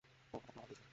ও হঠাৎ মারা গিয়েছিল।